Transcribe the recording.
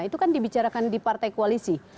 itu kan dibicarakan di partai koalisi